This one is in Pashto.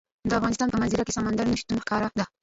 د افغانستان په منظره کې سمندر نه شتون ښکاره ده.